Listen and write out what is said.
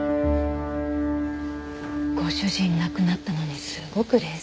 ご主人亡くなったのにすごく冷静ね。